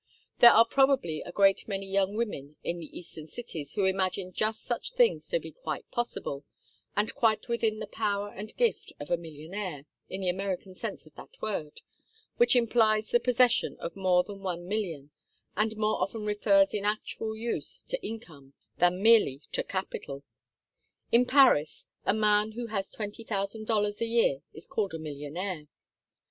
There are probably a great many young women in the Eastern cities who imagine just such things to be quite possible, and quite within the power and gift of a millionaire, in the American sense of that word, which implies the possession of more than one million, and more often refers in actual use to income than merely to capital. In Paris, a man who has twenty thousand dollars a year is called a millionaire.